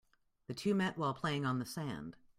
The two met while playing on the sand.